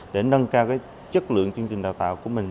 để nâng cao chất lượng chương trình đào tạo của mình